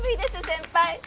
先輩